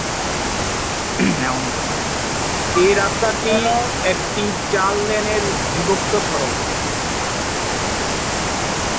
এই রাস্তাটি একটি চার-লেনের বিভক্ত সড়ক।